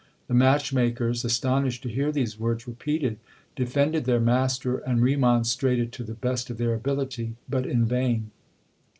The match makers, astonished to hear these words repeated, defended their master and remonstrated to the best of their ability, but in vain.